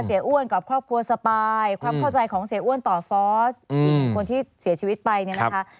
อ้วนกับครอบครัวสปายความเข้าใจของเสียอ้วนต่อฟอสคนที่เสียชีวิตไปเนี่ยนะคะ